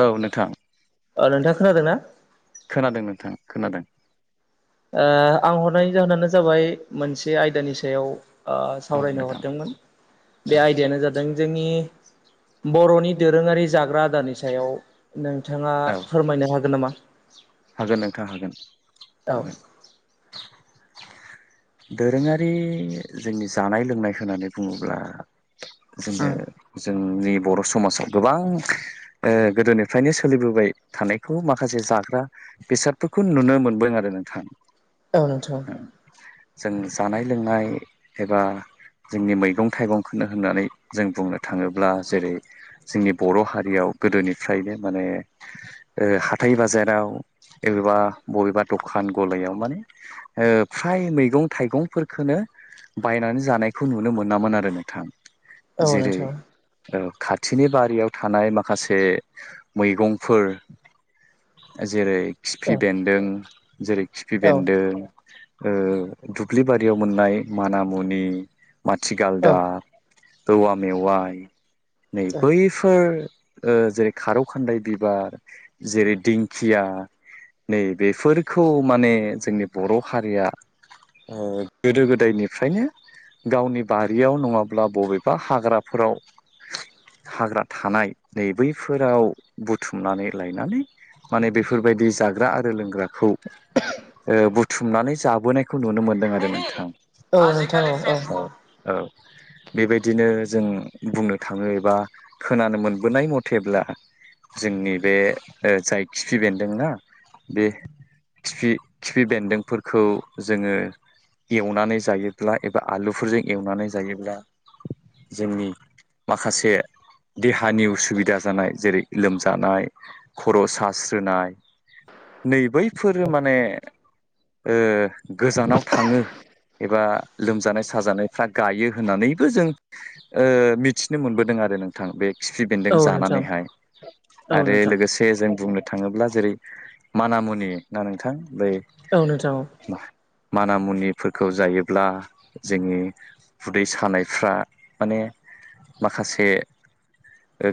औ नोंथां अ नोंथां खोनादों ना खोनादों नोंथां खोनादों ओ आं हरनायनि जाहोनानो जाबाय मोनसे आयदानि सायाव ओ सावरायनो नोंथां हरदोंमोन बे आयदायानो जादों जोंनि बर'नि दोरोङारि जाग्रा आदारनि सायाव नोंथाङा औ फोरमायनो हागोन नामा हागोन नोंथां हागोन औ हागोन दोरोङारि जोंनि जानाय लोंनाय होननानै बुङोब्ला जोङो उम जोंनि बर' समाजाव गोबां गोदोनिफ्रायनो सोलिबोबाय थानायखौ माखासे जाग्रा बेसादफोरखौ नुनो मोनदों आरो नोंथां औ नोंथां जों जानाय लोंनाय एबा जोंनि मैगं थाइगंखौनो होननानै जों बुंनो थाङोब्ला जेरै जोंनि बर' हारियाव गोदोनिफ्रायनो माने हााइ बाजाराव एबेबा बबेबा दखान गलायाव माने फ्राय मैगं थाइगंफोरखौनो बायनानै जानायखौ नुनो मोनामोन आरो नोंथां औ जेरै नोंथां औ खाथिनि बारियाव थानाय माखासे मैगंफोर जेरै खिफि औ बेन्दों जेरै खिफि औ बेन्दों दुब्लि बारियाव मोननाय मानामुनि माथि औ गालदा औवा मेवाइ नै बैफोर जेरै खारौ खान्दाय बिबार जेरै दिंखिया नै बेफोरखौ माने जोंनि बर' हारिया गोदो गोदायनिफ्रायनो गावनि बारियाव नङाब्ला बबेबा हाग्राफोराव हाग्रा थानाय नै बैफोराव बुथुमनानै लायनानै माने बेफोरबायदि जाग्रा आरो लोंग्राखौ बुथुमनानै जाबोनाया औ औ औ [unintelligible] बेबायदिनो जों बुंनो थाङो एबा खोनानो मोनबोनाय मथेब्ला जोंनि बे जाय खिफि बेन्दोंना बे खिफि खिफि बेन्दोंफोरखौ जोङो एवनानै जायोब्ला एबा आलुफोरजों एवनानै जायोब्ला जोंनि माखासे देहानि उसुबिदा जानाय जेरै लोमजानाय खर' सास्रोनाय नै बैफोरो माने गोजानाव थाङो एबा लोमजानाय साजानायफ्रा गायो होननानैबो जों मिथिनो मोनबोदों आरो नोंथां बे खिफि बेन्दों औ नोंथां जानानैहाय औ आरो नोंथां लोगोसे जों बुंनो थाङोब्ला जेरै मान मुनि ना नोंथां बै औ नोंथां मान मुनिफोरखौ जायोब्ला जोंनि उदै सानायफ्रा माने माखासे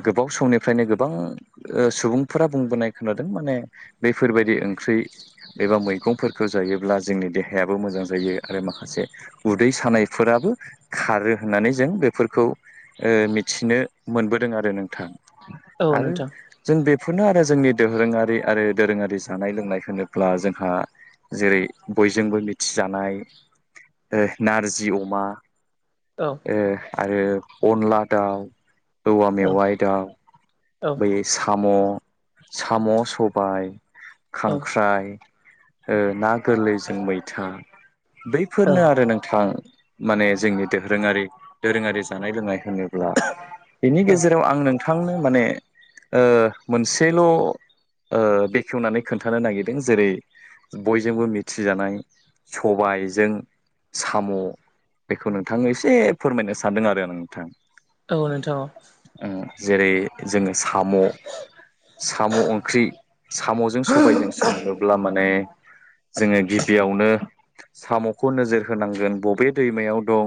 गोबाव समनिफ्रायनो गोबां सुबुंफोरा बुंबोनाय खोनादों माने बेफोरबायदि ओंख्रि एबा मैगंफोरखौ जायोब्ला जोंनि देहायाबो मोजां जायो आरो माखासे उदै सानायफोराबो खारो होननानै जों बेफोरखौ मिथिनो मोनबोदों आरो नोंथां औ आरो नोंथां जों बे बेखौनो आरो जोंनि दोरोङारि आरो दोरोङारि जानाय लोंनाय होनोब्ला जोंहा जेरै बयजोंबो मिथिजानाय नारजि अमा औ आरो अनला दाउ औवा औ मेवाइ दाउ औ बै साम' साम' सबाय औ खांख्राइ ओ ना गोरलैजों मैथा बैफोरनो आरो नोंथां माने जोंनि दोरोङारि दोरोङारि जानाय लोंनाय होनो बिनि गेजेराव आं नोंथांनो माने मोनसेल' बेखेवनानै खोन्थानो नागिरदों जेरै बयजोंबो थिजानाय सबाइजों साम' बेखौ नोंथां एसे फोरमायनो सानदों आरो आं नोंथां औ नोंथां औ जेरै जोङो साम' साम' ओंख्रि साम'जों सबायजों संनोब्ला माने जोङो गिबियावनो साम'खौ नोजोर होनांगोन बबे दैमायाव दं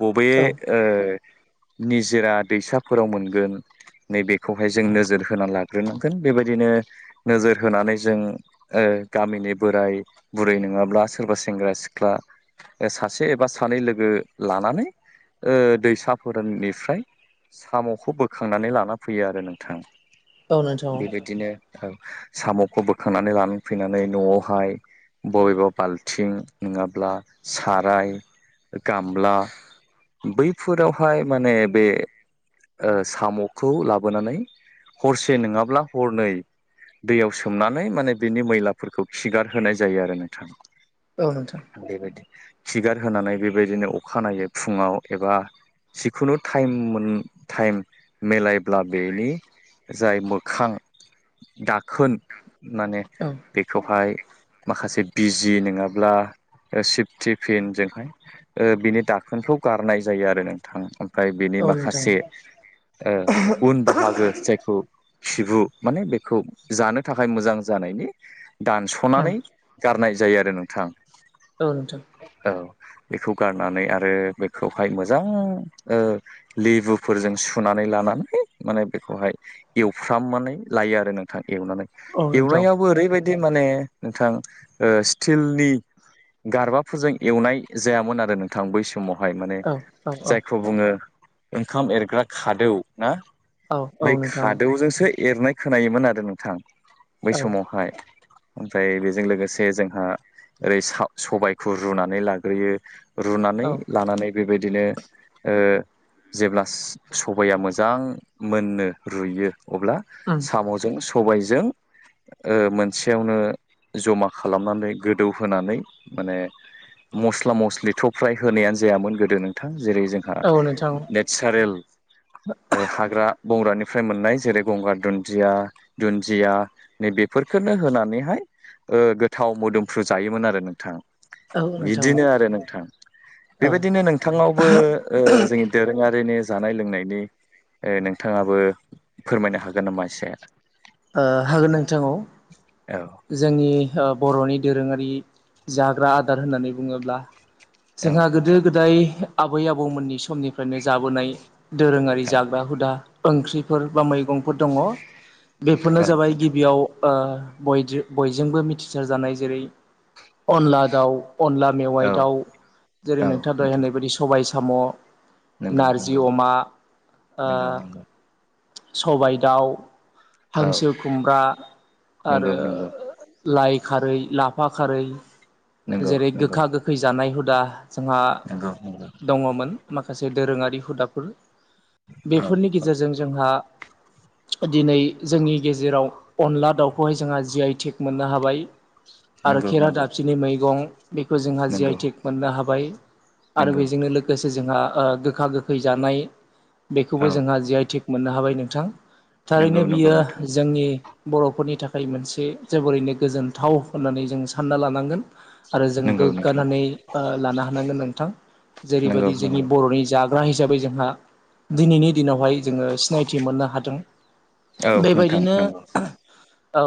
बबे औ ओ निजोरा दैसाफोराव मोनगोन नैबेखौहाय जों नोजोर होना लाग्रोनांगोन बेबायदिनो नोजोर होनानै जों ओ गामिनि बोराय बुरै नोङाब्ला सोरबा सेंग्रा सिख्ला सासे एबा सानै लोगो लानानै ओ दैसाफोराननिफ्राय साम'खौ बोखांनानै लाना फैयो आरो नोंथां औ नोंथां औ बेबायदिनो साम'खौ बोखांनानै लानानै फैनानै न'आवहाय बबेबा बाल्थिं नोङाब्ला साराय गामला बैफोरावहाय माने बे ओ साम'खौ लाबोनानै हरसे नोङाब्ला हरनै दैयाव सोमनानै माने बिनि मैलाफोरखौ खिगारहोनाय जायो आरो नोंथां औ नोंथां बेबायदि खिगार होनानै बेबायदिनो अखानायै फुङाव एबा जिखुनु टाइम मोन टाइम मिलायब्ला बेनि जाय मोखां दाखोन माने औ बेखौहाय माखासे बिजि नोङाब्ला सिफटि फिनजोंहाय बिनि दाखोनखौ गारनाय जायो आरो नोंथां ओमफ्राय बेनि औ नोंथां माखासे ओ उन बाहागो जायखौ खिबु माने बेखौ जानो थाखाय मोजां जानायनि दानस'नानै ओं गारनाय जायो आरो नोंथां औ नोंथां औ बेखौ गारनानै आरो बेखौहाय मोजां ओ लेबुफोरजों सुना नै लानानै माने बेखौहाय एवफ्रामनानै लायो आरो नोंथां एवनानै औ नोंथां एवनायावबो ओरैबायदि माने नोंथां स्टिलनि गारबाफोरजों एवनाय जायामोन आरो नोंथां बै समाव हाय माने औ जायखौ बुङो ओंखाम एरग्रा खादौ ना औ औ बै नोंथां खादौजोंसो एरनाय खोनायोमोन आरो नोंथां बै औ समावहाय ओमफ्राय जों लोगोसे जोंहा ओरै सा सबायखौ रुनानै लाग्रोयो रुनानै औ लानानै बेबायदिनो ओ जेब्ला सबाइया मोजां मोनो रुयो अब्ला उम साम'जों सबायजों ओ मोनसेयावनो जमा खालामनानै गोदौहोनानै माने मस्ला मस्लिथ' फ्राय होनायानो जायामोन गोदो नोंथां जेरै जोंहा औ नोंथां नेचारेल हाग्रा बंग्रानि फ्राय मोननाय जेरै गंगार दुन्दिया दुन्दिया नै बेफोरखौनो होनानैहाय ओ गोथाव मोदोमफ्रु जायोमोन आरो नोंथां औ नोंथां बिदिनो आरो नोंथां औ ओ बेबायदिनो नोंथांनावबो ओ जोंनि दोरोङारिनि जानाय लोंनायनि ओ नोंथाङाबो फोरमायनो हागोन नामा इसे ओ हागोन नोंथां औ औ जोंनि बर'नि दोरोङारि जाग्रा आदार होननानै बुङोब्ला औ जोंहा गोदो नोंथां गोदाय आबै आबौमोननि समनिफ्रायनो जाबोनाय दोरोङारि औ जाग्रा हुदा ओंख्रिफोर बा मैगंफोर दङ बेफोरनो औ जाबाय नोंथां गिबियाव ओ बयजो बयजोंबो मिथिसारजानाय जेरै अनला दाउ अनला औ मेवाइ दाउ जेरै नोंथां दहाय होननाय बायदि सबाइ साम' नंगौ नारजि नंगौ अमा नंगौ नंगौ सबाय दाउ औ हांसो खुमब्रा नंगौ आरो नंगौ लाइ खारै लाफा खारै नंगौ जेरै नंगौ गोखा गोखै जानाय हुदा जोंहा नंगौ नंगौ दङमोन माखासे दोरोङारि हुदाफोर औ बेफोरनि औ गेजेरजों जोंहा दिनै जोंनि गेजेराव अनला दाउखौहाय जोंहा जि आइ टेक मोननो हाबाय आरो नंगौ खेरा नंगौ दाबसेनि मैगं बेखौ जोंहा जि आइ नंगौ थेक मोननो हाबाय आरो नंगौ बेजोंनो लोगोसे जोंहा आ गोखा गोखै जानाय बेखौबो औ जोंहा जि आइ थेक मोननो हाबाय नोंथां नंगौ थारैनो नंगौ बियो नोंथां जोंनि बर'फोरनि थाखाय खाय मोनसे जोबोरैनो गोजोनथाव होननानै जों सानना लानांगोन आरो जों नंगौ नोंथां गोग्गानानै ओ लानो हानांगोन नोंथां नंगौ जेरैबायदि जोंनि नंगौ बर'नि जाग्रा हिसाबै जोंहा दिनैनि दिनावहाय जोङो सिनायथि मोननो हादों औ नोंथां बेबायदिनो नंगौ औ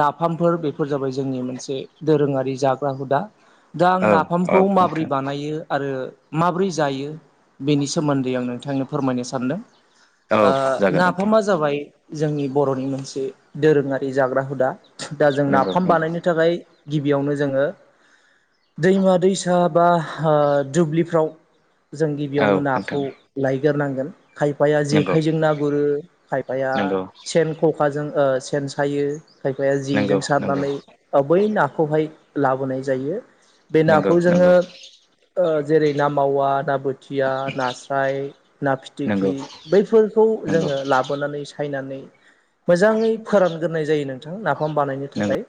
नाफामफोर बेफोर जाबाय जोंनि मोनसे दोरोङारि जाग्रा हुदा दा आं औ औ नाफामखौ माबोरै नोंथां बानायो आरो माबोरै जायो बेनि सोमोनदै आं नोंथांनो फोरमायनो सानदों औ ओ जागोन नोंथां नाफामा जाबाय जोंनि बर'नि मोनसे दोरोङारि जाग्रा हुदा दा जों नंगौ नाफाम नंगौ बानायनो थाखाय गिबियावनो जोङो दैमा दैसा बा आ दुब्लिफ्राव जों औ गिबियावनो नाखौ नोंथां लायग्रोनांगोन खायफाया नंगौ जेखायजों ना गुरो खायफाया नंगौ सेन ख'खाजों ओ सेन सायो खायफाया जेजों नंगौ नंगौ सारनानै बै नाखौहाय लाबोनाय जायो बे नंगौ नाखौ जोङो नंगौ ओ जेरै ना मावा ना बोथिया नास्राय ना नंगौ फिथिख्रि बैफोर खौ नंगौ जोङो लाबोनानै सायनानै मोजाङै फोरानग्रोनाय जायो नोंथां नाफाम बानायनो नंगौ थाखाय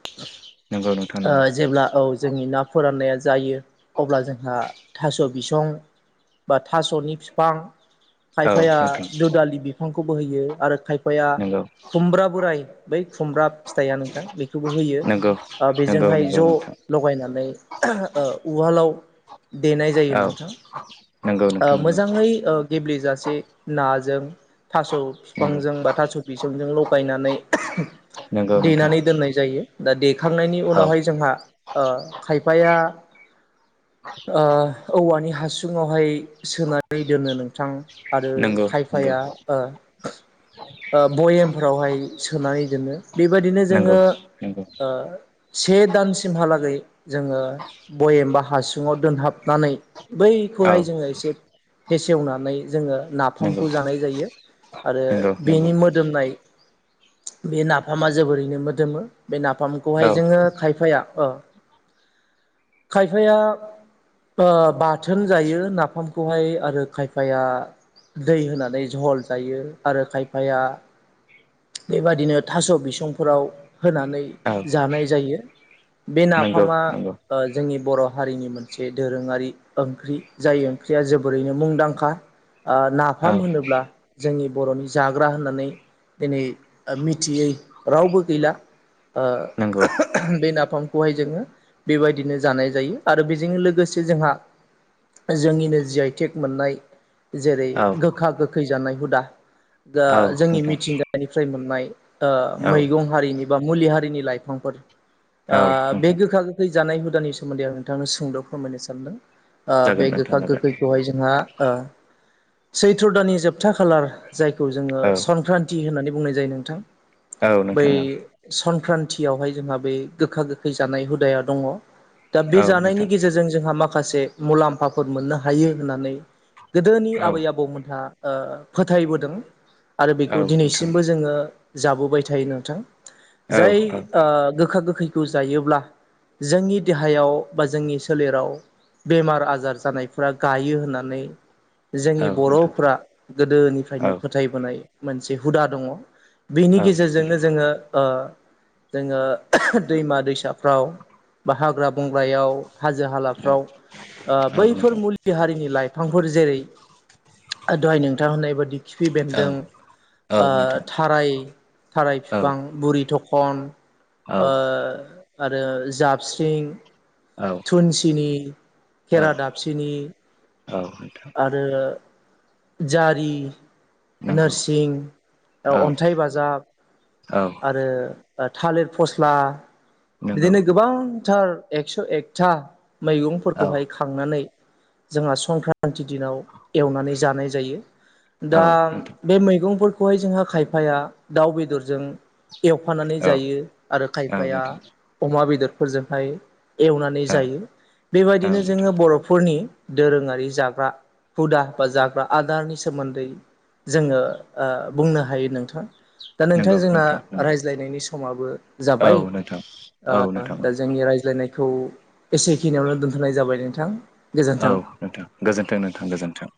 नंगौ नोंथां नंगौ आ जेब्ला औ जोंनि ना फोराननाया जायो अब्ला जोंहा थास' बिसं बा थास'नि बिफां औ खायफाया नोंथां दुदालि बिफांखौबो होयो आरो खायफाया नंगौ खुमब्रा बोराइ खुमब्रा फिथाइया नोंथां बेखौबो होयो नंगौ आ नंगौ बेजोंहाय नंगौ नोंथां ज' लगायनानै ओ उवालाव देनाय जायो औ नोंथां नंगौ आ नोंथां मोजाङै ओ गेब्लेजासे नाजों थास' नंगौ बिफांजों बा थास' बिसंजों लगायनानै नंगौ नोंथां देनानै दोननाय जायो दा देखांनायनि औ उनावहाय जोंहा ओ खायफाया ओ औवानि हासुङावहाय सोनानै दोनो नोंथां आरो नंगौ नंगौ खायफाया ओ ओ बयामफोरावहाय सोनानै दोङो बेबायदिनो नंगौ जोङो नंगौ ओ से दानसिमहालागै जोङो बयेमबा हासुङाव दोनहाबनानै औ बैखौहाय जोङो एसे फेसेवनानै जोङो नंगौ नाफामखौ जानाय जायो आरो नंगौ नंगौ बेनि मोदोमनाय बे नाफामा जोबोरैनो मोदोमो बे नाफामखौहाय औ जोङो खायफाया ओ खायफाया ओ बाथोन जायो नाफाम खौहाय आरो खायफाया दै होनानै जहल जायो आरो खायफाया बेबादिनो थास' बिसंफोराव होनानै औ जानाय जायो बे नंगौ नाफामा नंगौ ओ जोंनि बर' हारिनि मोनसे दोरोङारि ओंख्रि जाय ओंख्रिया जोबोरैनो मुंदांखा आ नाफाम औ होनोब्ला जोंनि बर'नि जाग्रा होननानै दिनै मिथियै रावबो गैला ओ नंगौ बे नाफाम खौहाय जोङो बेबायदिनो जानाय जायो आरो बेजों लोगोसे जोंहा जोंनिनो जि आइटेक मोननाय जेरै औ गोखा गोखै जानाय हुदा दा औ जोंनि नोंथां मिथिंगानिफ्राय मोननाय आ औ मैगं हारिनि बा मुलि हारिनि लाइफांफोर औ आ बे नोंथां गोखा गोखै जानाय हुदानि सोमोन्दै आं नोंथांनो सुंद' फोरमायनो सानदों ओ जागोन बे नोंथां गोखा जागोन गोखैखौहाय जोंहा ओ सैथ्र' दानानि जोबथा खालार जायखौ जोङो औ संक्रान्ति होननानै बुंनाय जायो नोंथां औ बै नोंथां औ सं संख्रान्थियावहाय जोंहा बे गोखा गोखै जानाय हुदाया दङ। दा औ बे जानायनि नोंथां गेजेरजों जोंहा माखासे मुलाम्फाफोर मोननो हायो होननानै गोदोनि औ आबै आबौमोनहा ओ फोथायबोदों आरो औ बेखौ नोंथां दिनैसिमबो जोङो जाबोबाय थायो नोंथां औ जाय औ ओ गोखा गो खैगो जायोब्ला जोंनि देहायाव बा जोंनि सोलेराव बेमार आजार जानायफोरा गायो होननानै औ जोंनि नोंथां बर'फोरा औ नोंथां औ गोदोनिफ्रायनो फोथायबोनाय मोनसे हुदा दङ। बिनि औ गेजेरजोंनो नोंथां जोङो ओ जोङो दैमा दैसाफ्राव बा हाग्रा बंग्रायाव हाजो औ हालाफ्राव ओ औ बैफोर नोंथां मुलि हारिनि लाइफांफोर जेरै दहाय नोंथां होननाय बादि खिफि औ बेन्दों थाराय थाराय बिफां बुरि थख' न आरो ओ जाबस्रिं औ थुनसिनि खेरादाब फिनि औ नोंथां आरो जारि नंगौ नोरसिं, औ अन्थाइ बाजाब औ आरो थालिर फस्ला नंगौ बिदिनो गोबांथार एकस' एकथा औ मैगंफोरखौहाय खांनानै जोंहा संक्रान्ति दिनाव एवनानै जानाय जायो औ दा नोंथां बे मैगं फोरखौ जों खायफाया दाउ बेदरजों एवफानानै औ जायो आरो औ खायफाया नोंथां अमा बेदरफोरजोंहाय एवनानै औ जायो बेबायदिनो नोंथां जोङो बर'फो रनि दोरोङारि जाग्रा हुदा बा जाग्रा आदारनि सोमोन्दै जोङो ओ बुंनो हायो नोंथां। दा नोंथां नंगौ जोंना नंगौ रायज्लायनायनि समाबो औ जाबाय। नोंथां ओ औ नोंथां औ दा जोंनि रायज्लायनायखौ एसेखिनियावनो दोनथ'नाय जाबाय नोंथां। औ गोजोन्थों नोंथां गोजोन्थों नोंथां गोजोन्थों